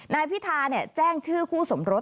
นายพิธาแจ้งชื่อคู่สมรส